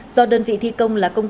do đơn vị thi công là công